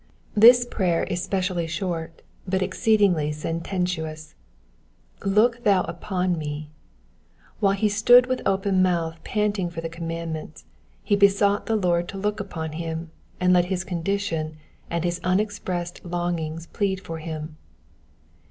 This prayer is specially short, but exceedingly sentei^tious, Iook thou upon me.'* While he stood with open mouth' panting for the commandments, he besought the Lord to look upon him, and let his condition and his unexpressed longings plead for him.